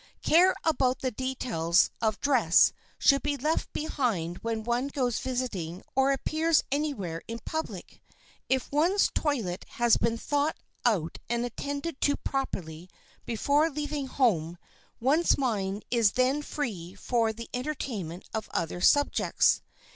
Care about the details of dress should be left behind when one goes visiting or appears anywhere in public. If one's toilet has been thought out and attended to properly before leaving home, one's mind is then free for the entertainment of other subjects.